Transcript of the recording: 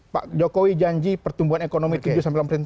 pak jokowi janji pertumbuhan ekonomi tujuh delapan persen